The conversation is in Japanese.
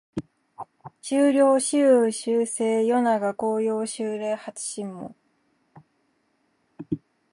秋涼秋雨秋晴夜長紅葉秋麗初霜